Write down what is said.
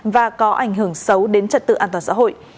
và có ảnh hưởng xấu đến trật tự an toàn xã hội